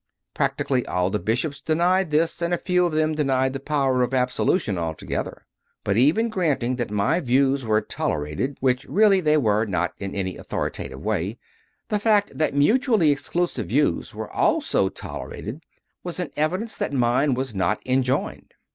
Practically all the Bishops denied this, and a few of them denied the power of absolution altogether. But, even granting that my views were tolerated which really they were not in any authoritative way the fact that mutually exclusive views were also toler ated was an evidence that mine were not enjoined.